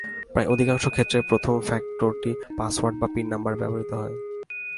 প্রায় অধিকাংশ ক্ষেত্রে প্রথম ফ্যাক্টরটি পাসওয়ার্ড বা পিন নম্বর ব্যবহৃত হয়।